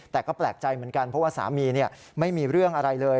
แต่ก็แปลกใจเหมือนกันเพราะว่าสามีไม่มีเรื่องอะไรเลย